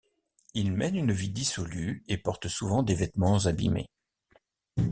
Il mène une vie dissolue et porte souvent des vêtements abîmés.